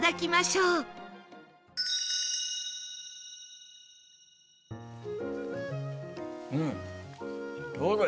うん！